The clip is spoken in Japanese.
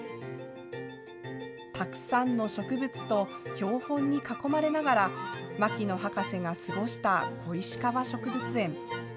たくさんの植物と標本に囲まれながら、牧野博士が過ごした小石川植物園。